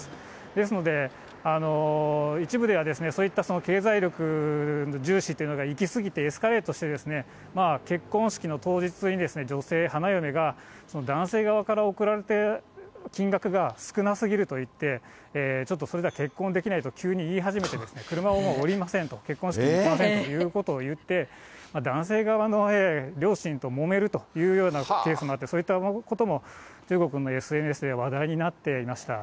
ですので、一部ではそういった、その経済力重視というのが行き過ぎてエスカレートして、結婚式の当日に、女性、花嫁が、男性側から贈られた金額が少なすぎると言って、ちょっとそれじゃあ結婚できないと急に言い始めて、車を下りませんと、結婚式に行きませんということを言って、男性側の両親ともめるというようなケースもあって、そういったことも中国のＳＮＳで話題になっていました。